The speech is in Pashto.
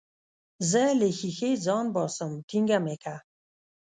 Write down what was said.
زه له ښيښې ځان باسم ټينګه مې که.